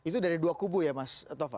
itu dari dua kubu ya mas tova